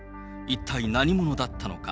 一体何者だったのか。